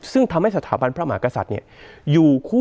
ซึ่งทำให้สถาบันพระมหากษัตริย์อยู่คู่